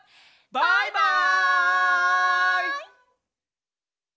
バイバイ！